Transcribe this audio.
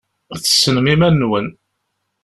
Tessnem iman-nwen.